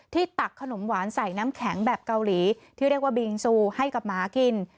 ตักขนมหวานใส่น้ำแข็งแบบเกาหลีที่เรียกว่าบิงซูให้กับหมากิน